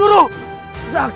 guru bertahanlah guru